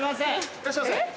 いらっしゃいませ。